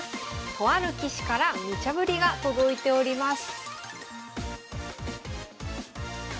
とある棋士からムチャぶりが届いております